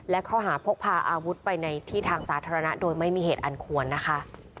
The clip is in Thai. และข้อหาพกพาอาวุธไปในที่ทางสาธารณะโดยไม่มีเหตุอันควรนะคะ